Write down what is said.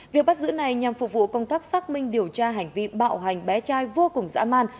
việc bắt giữ này nhằm phục vụ công tác xác minh điều tra hành vi bạo hành bé trai vô cùng dã man